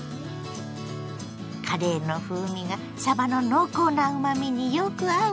カレーの風味がさばの濃厚なうまみによく合うソテー。